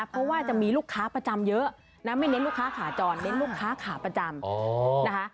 เพราะว่าจะมีลูกค้าประจำเยอะนะไม่เน้นลูกค้าขาจรเน้นลูกค้าขาประจำนะคะ